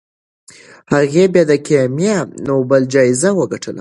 هغې بیا د کیمیا نوبل جایزه وګټله.